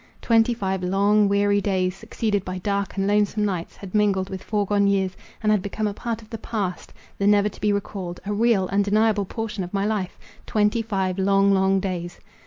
Twenty five long, weary days, succeeded by dark and lonesome nights, had mingled with foregone years, and had become a part of the past—the never to be recalled—a real, undeniable portion of my life—twenty five long, long days.